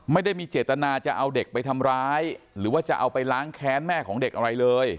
ไม่ได้มีเจตนาจะเอาเด็กไปทำร้ายหรือว่าจะเอาไปล้างแค้นแม่ของเด็กอะไรเลย